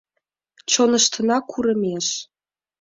Чоныштына курымеш.